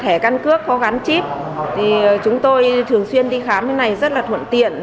thẻ căn cước có gắn chip thì chúng tôi thường xuyên đi khám như này rất là thuận tiện